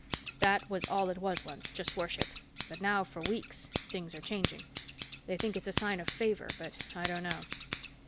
That was all it was once just worship. But now for weeks, things are changing. They think it's a sign of favor, but I don't know.